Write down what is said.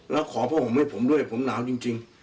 แล้วขอพวกผมให้ผมด้วยผมหนาวจริง